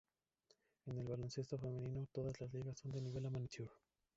En el baloncesto femenino todas las ligas son de nivel amateur.